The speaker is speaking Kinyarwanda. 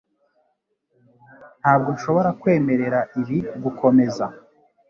Ntabwo nshobora kwemerera ibi gukomeza